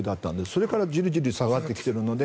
それからじりじり下がってきているので。